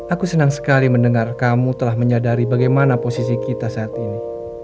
aku senang sekali mendengar kamu telah menyadari bagaimana posisi kita saat ini